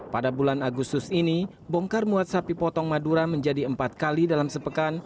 pada bulan agustus ini bongkar muat sapi potong madura menjadi empat kali dalam sepekan